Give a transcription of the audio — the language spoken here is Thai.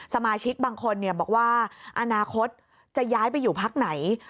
สมาชิกบางคนบอกว่าอนาคตจะย้ายไปอยู่พักไหน